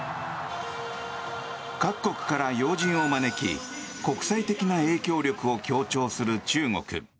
各国から要人を招き国際的な影響力を強調する中国。